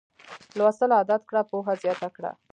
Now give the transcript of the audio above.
لوستل عادت کړه پوهه زیاته کړه